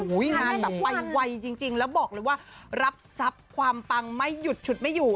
งานแบบไปไวจริงแล้วบอกเลยว่ารับทรัพย์ความปังไม่หยุดฉุดไม่อยู่